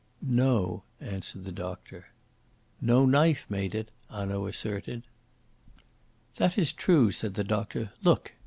"No," answered the doctor. "No knife made it," Hanaud asserted. "That is true," said the doctor. "Look!"